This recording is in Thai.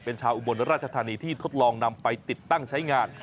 เป็นชาวอุบลราชธานีที่ทดลองนำไปติดตั้งใช้งาน